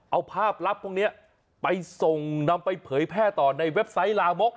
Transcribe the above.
เอาภาพลับพวกนี้ไปส่งนำไปเผยแพร่ต่อในเว็บไซต์ลามก